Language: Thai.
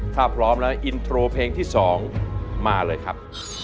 ถ้าพร้อมแล้วอินโทรเพลงที่๒มาเลยครับ